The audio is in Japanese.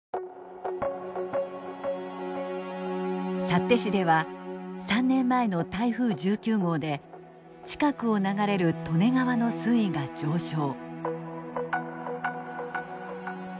幸手市では３年前の台風１９号で近くを流れる利根川の水位が上昇。